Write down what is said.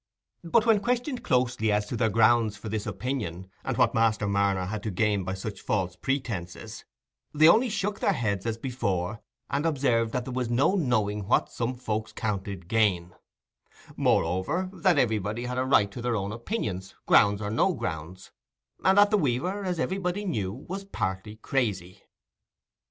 But when questioned closely as to their grounds for this opinion, and what Master Marner had to gain by such false pretences, they only shook their heads as before, and observed that there was no knowing what some folks counted gain; moreover, that everybody had a right to their own opinions, grounds or no grounds, and that the weaver, as everybody knew, was partly crazy.